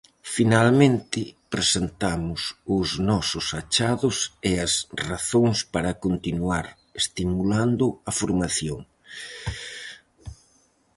Finalmente, presentamos os nosos achados e as razóns para continuar estimulando a formación.